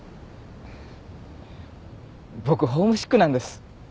僕ホームシックなんです。